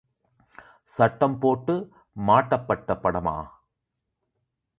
சட்டம்போட்டு மாட்டப்பட்ட படமா?